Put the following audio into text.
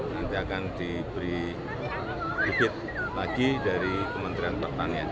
nanti akan diberi bibit lagi dari kementerian pertanian